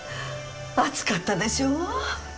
暑かったでしょう。